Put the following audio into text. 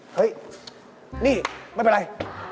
เฮ้ยนี่ไม่เป็นไร